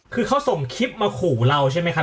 คือเขาส่งคลิปมาขู่เราใช่ไหมครับ